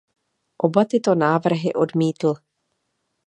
Oba tyto návrhy odmítl.